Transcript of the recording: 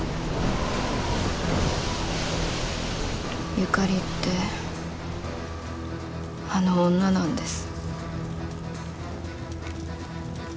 ユカリってあの女なんです。